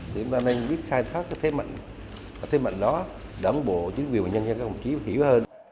để mà anh biết khai thác cái thế mạnh đó đồng bộ chính quyền bằng nhân dân các công chí hiểu hơn